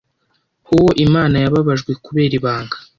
Uwo Imana yababajwe kubera ibanga